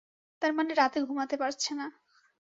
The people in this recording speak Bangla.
তার মানে রাতে ঘুমাতে পারছে না।